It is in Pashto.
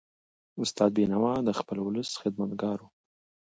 استاد بینوا د خپل ولس خدمتګار و.